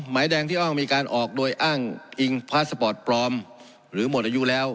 หมายแดงที่อ้างมีการออกโดยอ้างอิงพาสปอร์ตปลอมหรือหมดอายุแล้ว